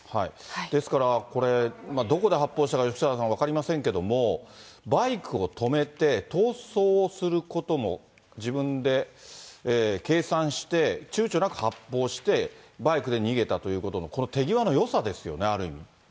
ですからこれ、どこで発砲したか、吉川さん、分かりませんけども、バイクを止めて、逃走をすることも、自分で計算して、ちゅうちょなく発砲して、バイクで逃げたということの、この手際のよさですよね、ある意味。